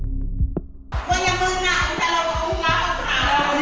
กลับไปกัน